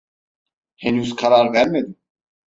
Henüz karar vermedim.